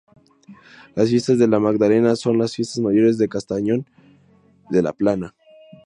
Las Fiestas de la Magdalena son las fiestas mayores de Castellón de la Plana.